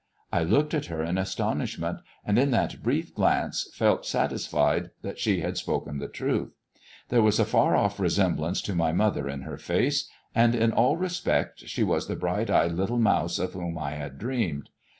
I looked at her in astonishment, and in that brief glance felt satisfied that she had spoken the truth. There was a f ar o£E resem blance to my mother in her face, and in all respects she was the bright eyed little mouse of whom I had dreamed.